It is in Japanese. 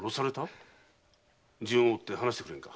順を追って話してくれんか。